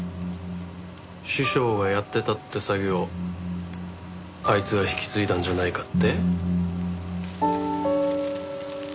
師匠がやってたって詐欺をあいつが引き継いだんじゃないかって？